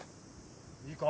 いいか？